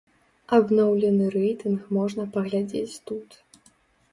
Абноўлены рэйтынг можна паглядзець тут.